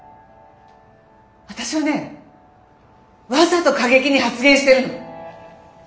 私はねわざと過激に発言してるの！